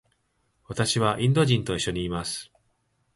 私はインド人と一緒にいます。